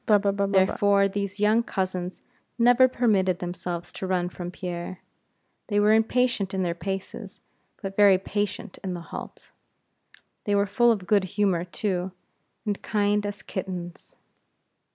Therefore, these young cousins never permitted themselves to run from Pierre; they were impatient in their paces, but very patient in the halt. They were full of good humor too, and kind as kittens.